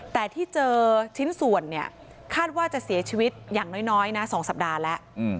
แต่ที่เจอชิ้นส่วนเนี่ยคาดว่าจะเสียชีวิตอย่างน้อยนะ๒สัปดาห์แล้ว